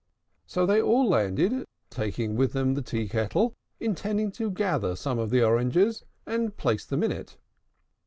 So they all landed, taking with them the tea kettle, intending to gather some of the oranges, and place them in it.